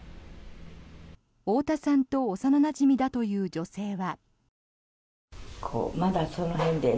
太田さんと幼なじみだという女性は。